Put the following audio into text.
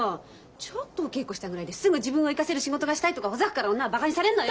ちょっとお稽古したぐらいですぐ自分を生かせる仕事がしたいとかほざくから女はバカにされんのよ！